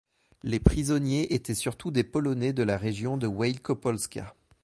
Les prisonniers étaient surtout des Polonais de la région de Wielkopolska.